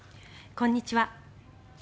こんにちは。